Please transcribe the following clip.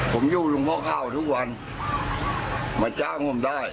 ผมอยู่หลวงพ่อข้าวทุกวันมาจ้างผมได้